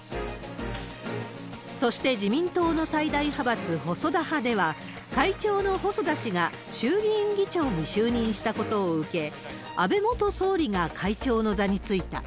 そして自民党の最大派閥、細田派では、会長の細田氏が衆議院議長に就任したことを受け、安倍元総理が会長の座に就いた。